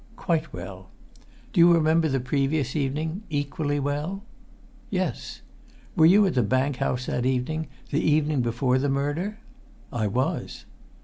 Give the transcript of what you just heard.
"Quite well." "Do you remember the previous evening equally well?" "Yes!" "Were you at the Bank House that evening the evening before the murder?" "I was."